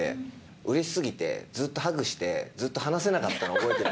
うれし過ぎてずっとハグしてずっと離せなかったの覚えてる。